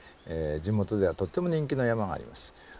地元ではとっても人気の山があります。